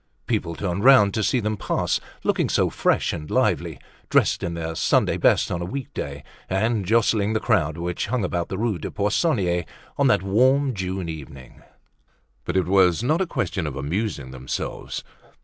People turned round to see them pass, looking so fresh and lively, dressed in their Sunday best on a week day and jostling the crowd which hung about the Rue des Poissonniers, on that warm June evening. But it was not a question of amusing themselves.